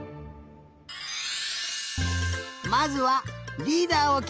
まずはリーダーをきめるよ。